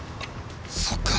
そっか。